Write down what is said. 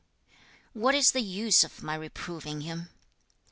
what is the use of my reproving him?'